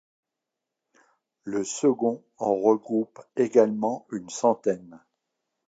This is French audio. Le second en regroupe également une centaine.